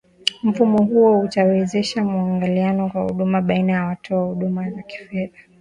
mfumo huo utawezesha muingiliano wa huduma baina ya watoa huduma za kifedha